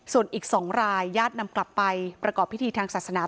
ส่วนอีก๒รายญาตินำกลับไปประกอบพิธีทางศาสนา